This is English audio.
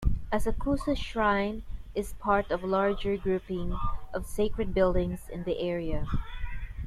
Asakusa Shrine is part of a larger grouping of sacred buildings in the area.